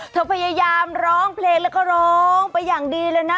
พยายามร้องเพลงแล้วก็ร้องไปอย่างดีเลยนะ